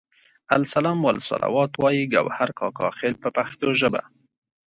السلام والصلوات وایي ګوهر کاکا خیل په پښتو ژبه.